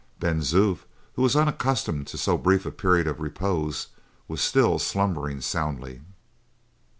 Ben Zoof, who was unaccustomed to so brief a period of repose, was still slumbering soundly.